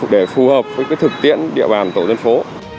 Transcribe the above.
để phù hợp với thực tiễn địa bàn tổ dân phố